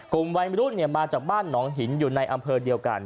กลุ่มวัยรุ่นมาจากบ้านหนองหินอยู่ในอำเภอเดียวกัน